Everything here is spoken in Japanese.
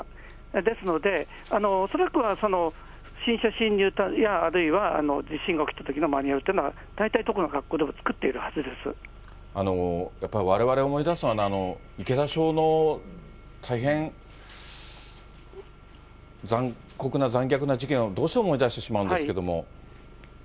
ですので、恐らくは、不審者侵入や、あるいは地震が起きたときのマニュアルというのは大体どこの学校われわれ思い出すのは、池田小の大変、残酷な、残虐な事件をどうしても思い出してしまうんですけれども。